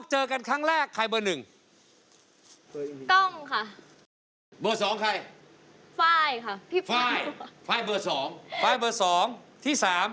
ทาโน่ที่๓